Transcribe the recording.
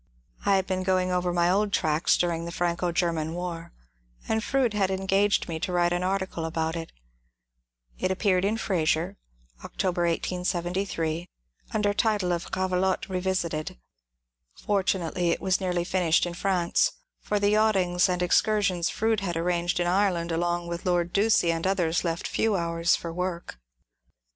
I had been going over my old tracks during the Franco Grerman war, and Froude had engaged me to vmte an article about it. It appeared in ^^Fraser," October, 1873, under title of ^' Gravelotte Revisited." Fortunately it was nearly finished in France, for the yachtings, and excursions Froude had ar ranged in Ireland along with Lord Ducie and others left few hours for work.